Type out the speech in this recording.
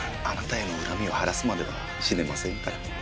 あなたへの恨みを晴らすまでは死ねませんから。